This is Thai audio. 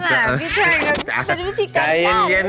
อาจารย์มีเท้ากัน